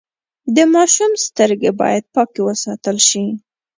د ماشوم سترګې باید پاکې وساتل شي۔